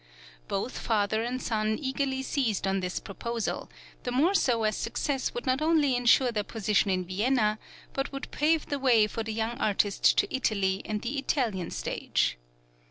Both father and son eagerly seized on this proposal, the more so as success would not only insure their position in Vienna, but would pave the way for the young artist to Italy and the Italian stage.